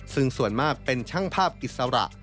ซึ่งส่วนมากเป็นช่างภาพอิสระ